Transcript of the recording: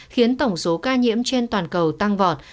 khiến tổng số ca nhiễm trên toàn cầu tăng vọt